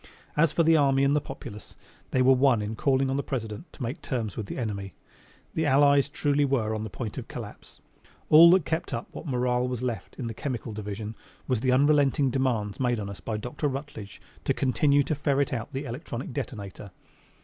As for the army and the populace, they were one in calling on the President to make terms with the enemy. The allies truly were on the point of collapse. All that kept up what morale was left in the chemical division was the unrelenting demands made on us by Dr. Rutledge to continue to ferret out the electronic detonator.